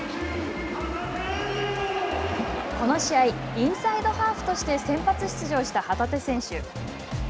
この試合インサイドハーフとして先発出場した旗手選手。